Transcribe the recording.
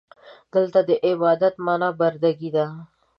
دلته د عبادت معنا برده ګي ده.